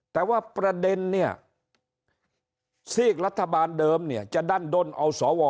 แต่ว่าประเด็นเนี่ยซีกรัฐบาลเดิมเนี่ยจะดั้นด้นเอาสว